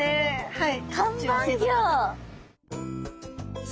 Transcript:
はい。